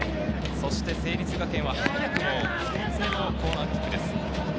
そして成立学園は早くも２つ目のコーナーキックです。